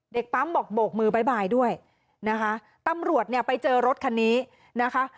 ปั๊มบอกโบกมือบ๊ายบายด้วยนะคะตำรวจเนี่ยไปเจอรถคันนี้นะคะ